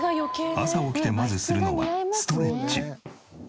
朝起きてまずするのはストレッチ。